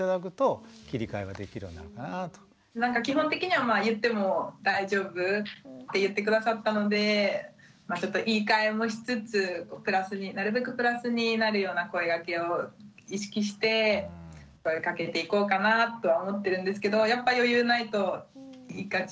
なんか基本的にはまあ言っても大丈夫って言って下さったのでちょっと言いかえもしつつなるべくプラスになるような声がけを意識して声をかけていこうかなと思ってるんですけどやっぱ余裕ないと言いがちだし。